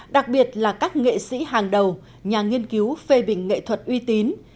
đặc biệt là các nghệ sĩ hàng đầu nhà nghiên cứu phê bình nghệ thuật uy tín